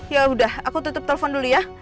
yaudah aku tutup telfon dulu ya